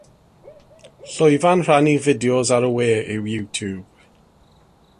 Llwyfan rhannu fideos ar y we yw YouTube.